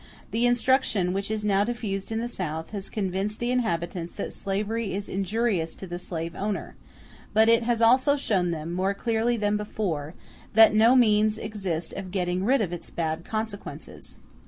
The instruction which is now diffused in the South has convinced the inhabitants that slavery is injurious to the slave owner, but it has also shown them, more clearly than before, that no means exist of getting rid of its bad consequences.